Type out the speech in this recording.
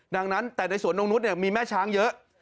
ดังนั้นแต่ในสวนนงนุษย์มีแม่ช้างเยอะ